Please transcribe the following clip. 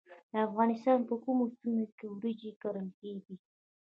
د افغانستان په کومو سیمو کې وریجې کرل کیږي؟